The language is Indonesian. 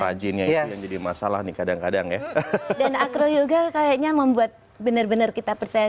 rajin ya jadi masalah nih kadang kadang ya dan akroyoga kayaknya membuat bener bener kita percaya